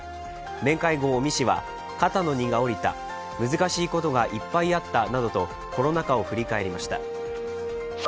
面会後、尾身氏は肩の荷が下りた難しいことがいっぱいあったなどとコロナ禍を振り返りました。